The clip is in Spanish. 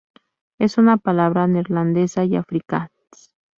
Es una palabra neerlandesa y afrikáans.